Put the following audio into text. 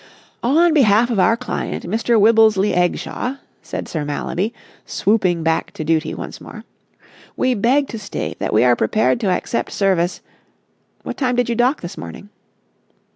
"On behalf of our client, Mr. Wibblesley Eggshaw," said Sir Mallaby, swooping back to duty once more, "we beg to state that we are prepared to accept service ... what time did you dock this morning?"